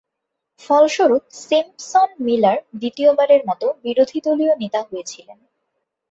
ফলস্বরূপ, সিম্পসন-মিলার দ্বিতীয়বারের মতো বিরোধী দলীয় নেতা হয়েছিলেন।